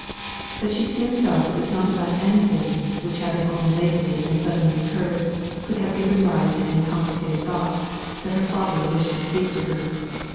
But she soon felt it was not about anything, which having only lately and suddenly occurred, could have given rise to any complicated thoughts, that her father wished to speak to her.